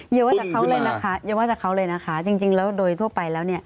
เยอะว่าจากเขาเลยนะคะจริงแล้วโดยทั่วไปแล้ว